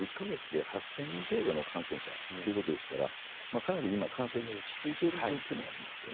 ８０００人程度の感染者ということですからかなり今、感染が落ち着いている状況にありますね。